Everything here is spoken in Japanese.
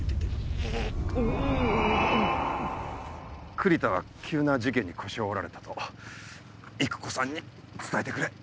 栗田は急な事件に腰を折られたと郁子さんに伝えてくれ。